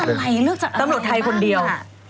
เลือกอะไรเลือกจากอะไรบ้างตำรวจไทยคนเดียว